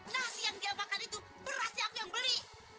nasi yang dia makan itu berasnya aku yang beli